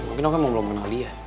mungkin aku emang belum kenal dia